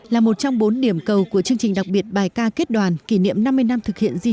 là một trong bốn điểm cầu của chương trình đặc biệt bài ca kết đoàn kỷ niệm năm mươi năm thực hiện di trúc